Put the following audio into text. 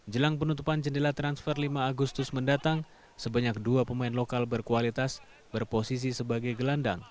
jelang penutupan jendela transfer lima agustus mendatang sebanyak dua pemain lokal berkualitas berposisi sebagai gelandang